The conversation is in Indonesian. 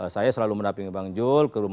saya selalu menampingi bang jul